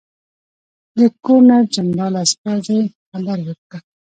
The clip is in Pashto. د ګورنرجنرال استازي خبر ورکړ.